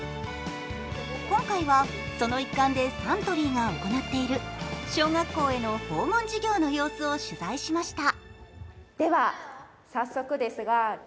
今回は、その一環でサントリーが行っている小学校への訪問授業の様子を取材しました。